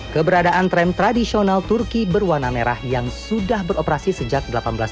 keberadaan tram tradisional turki berwarna merah yang sudah beroperasi sejak seribu delapan ratus sembilan puluh